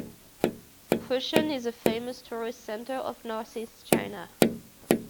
Fushun is a famous tourist centre of northeast China.